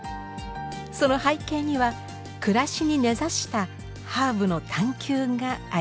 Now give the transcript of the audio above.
その背景には暮らしに根ざしたハーブの探求がありました。